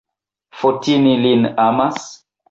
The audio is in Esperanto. Fotini lin amas?